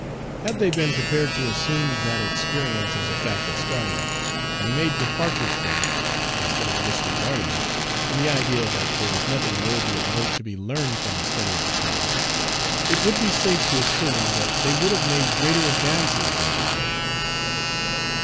Had they been prepared to assume that experience as a fact at starting, and made departures from it, instead of disregarding it, in the idea that there was nothing worthy of note to be learned from a study of the past, it would be safe to assume that they would have made greater advances in their day.